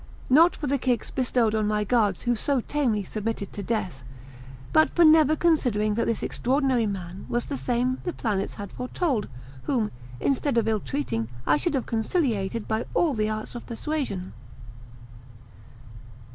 not for the kicks bestowed on my guards who so tamely submitted to death, but for never considering that this extraordinary man was the same the planets had foretold, whom, instead of ill treating, I should have conciliated by all the arts of persuasion."